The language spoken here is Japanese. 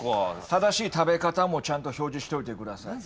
正しい食べ方もちゃんと表示しておいてください。